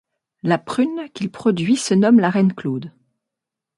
La prune qu'il produit se nomme la reine-claude.